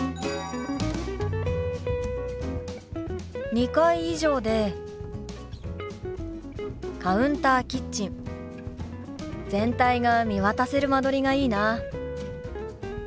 ２階以上でカウンターキッチン全体が見渡せる間取りがいいな。